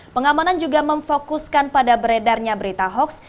pengamanan juga memfokuskan pada beredarnya berita hoax